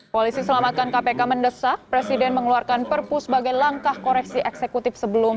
polisi selamatkan kpk mendesak presiden mengeluarkan perpu sebagai langkah koreksi eksekutif sebelum